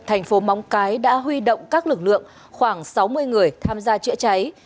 thành phố móng cái đã huy động các lực lượng khoảng sáu mươi người tham gia chữa cháy